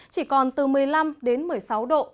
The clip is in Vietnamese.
chỉ còn từ một mươi năm đến một mươi sáu độ